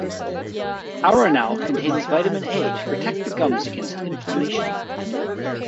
Aronal contains vitamin A to protect the gums against inflammation.